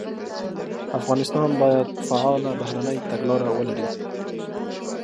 افغانستان باید فعاله بهرنۍ تګلاره ولري.